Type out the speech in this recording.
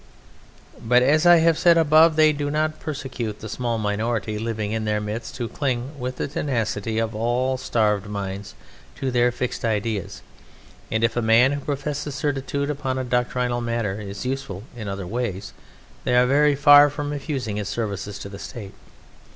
But, as I have said above, they do not persecute the small minority living in their midst who cling with the tenacity of all starved minds to their fixed ideas; and if a man who professes certitude upon doctrinal matters is useful in other ways, they are very far from refusing his services to the State.